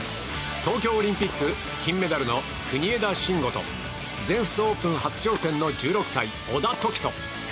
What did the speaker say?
東京オリンピック金メダルの国枝慎吾と全仏オープン初挑戦の１６歳、小田凱人。